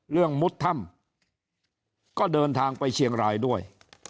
เรื่องมุฒิธรรมก็เดินทางไปเชียงรายด้วย